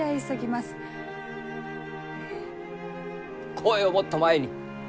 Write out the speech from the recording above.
声をもっと前に。